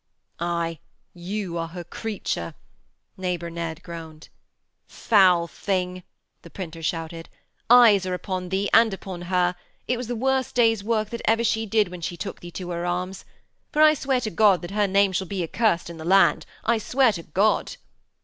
'Aye, you are her creature,' Neighbour Ned groaned. 'Foul thing,' the printer shouted. 'Eyes are upon thee and upon her. It was the worst day's work that ever she did when she took thee to her arms. For I swear to God that her name shall be accursed in the land. I swear to God....'